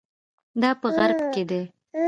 دا په غرب کې دي.